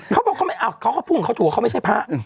เขาก็พูดเหมือนเขาถูกว่าเขาไม่ใช่พระ